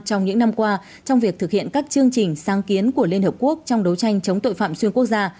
trong những năm qua trong việc thực hiện các chương trình sáng kiến của liên hợp quốc trong đấu tranh chống tội phạm xuyên quốc gia